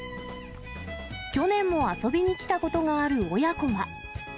去年も遊びに来たことがある親子は。